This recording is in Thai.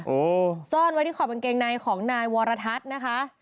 โอ้โหซ่อนไว้ที่ขอบกางเกงในของนายวรทัศน์นะคะ